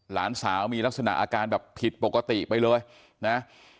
หลานสาวมีลักษณะอาการแบบผิดปกติไปเลยนะ